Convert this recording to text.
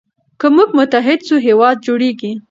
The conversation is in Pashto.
که موږ متحد سو هېواد جوړیږي.